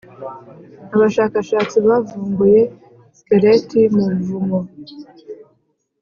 abashakashatsi bavumbuye skeleti mu buvumo